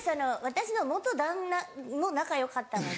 私の旦那も仲よかったので。